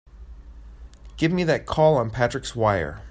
Give me that call on Patrick's wire!